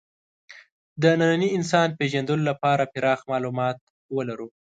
د ننني انسان پېژندلو لپاره پراخ معلومات ولرو.